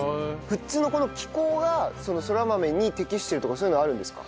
富津のこの気候がそら豆に適してるとかそういうのあるんですか？